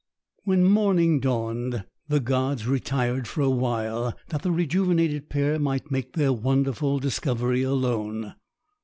When morning dawned, the gods retired for awhile, that the rejuvenated pair might make their wonderful discovery alone.